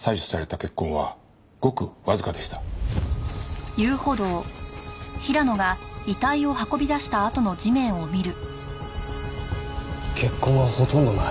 血痕がほとんどない。